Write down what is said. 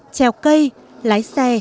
treo cây lái xe